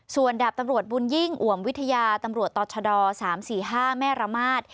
ส่วนอันดับตำรวจบุญยิ่งอวมวิทยาตำรวจตอร์ชดอสามสี่ห้าแม่ระมาท